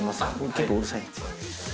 結構うるさい。